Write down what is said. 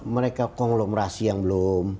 mereka konglomerasi yang belum